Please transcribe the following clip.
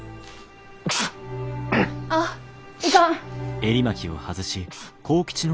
あっいかん！